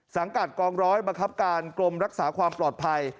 สังกัดกองร้อยบกรรมรักษาความปลอดภัย